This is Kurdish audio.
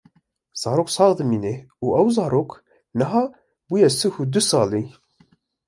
Zarok sax dimîne û ew zarok niha bûye sî û du salî